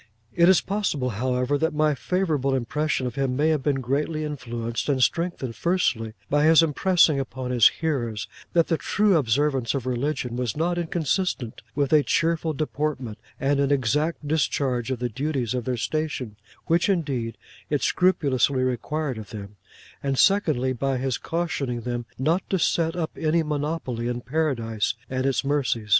It is possible, however, that my favourable impression of him may have been greatly influenced and strengthened, firstly, by his impressing upon his hearers that the true observance of religion was not inconsistent with a cheerful deportment and an exact discharge of the duties of their station, which, indeed, it scrupulously required of them; and secondly, by his cautioning them not to set up any monopoly in Paradise and its mercies.